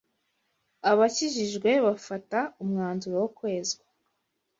Abakijijwe bafata umwanzuro wo kwezwa